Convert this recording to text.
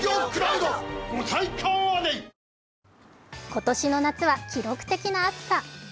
今年の夏は記録的な暑さ。